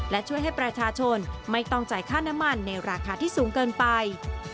และช่วยให้ประชาชนไม่ต้องจ่ายค่าน้ำมันในราคาที่สูงเกินไป